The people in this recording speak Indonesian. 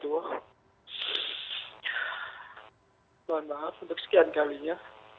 mohon maaf untuk sekian kalinya